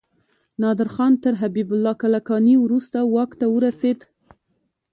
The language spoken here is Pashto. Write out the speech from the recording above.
نادر خان تر حبيب الله کلکاني وروسته واک ته ورسيد.